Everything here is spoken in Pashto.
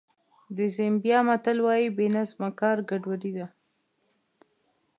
د زیمبیا متل وایي بې نظمه کار ګډوډي ده.